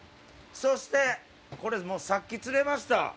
そしてこれさっき釣れました。